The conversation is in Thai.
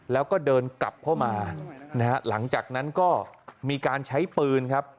แล้วก็เดินกลับเข้ามานะฮะหลังจากนั้นก็มีการใช้ปืนครับ